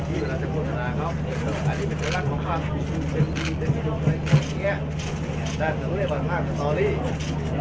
เมืองอัศวินธรรมดาคือสถานที่สุดท้ายของเมืองอัศวินธรรมดา